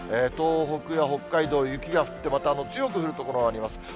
東北や北海道、雪が降って、また強く降る所があります。